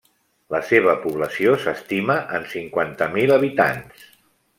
La seva població s'estima en cinquanta mil habitants.